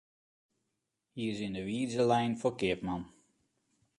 Hy is yn 'e widze lein foar keapman.